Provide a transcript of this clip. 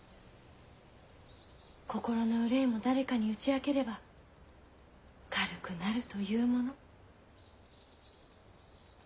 心の憂いも誰かに打ち明ければ軽くなるというもの。